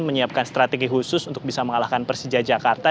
menyiapkan strategi khusus untuk bisa mengalahkan persija jakarta